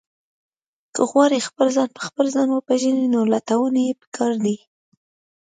که غواړئ خپل ځان په خپل ځان وپېژنئ، نو لټون یې پکار دی.